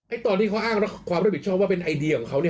ตอนที่เขาอ้างความรับผิดชอบว่าเป็นไอเดียของเขาเนี่ย